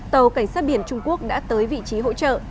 tàu cảnh sát biển trung quốc đã tới vị trí hỗ trợ